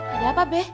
ada apa be